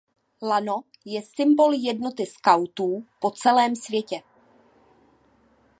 Lano je symbol jednoty skautů po celém světě.